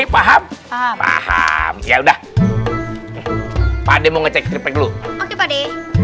paham paham ya udah pade mau ngecek triplek dulu oke pade